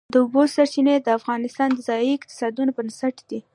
د اوبو سرچینې د افغانستان د ځایي اقتصادونو بنسټ دی.